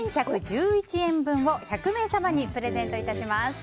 １１１１円分を１００名様にプレゼント致します。